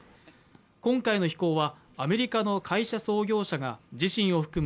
今回の飛行はアメリカの会社創業者が自身を含む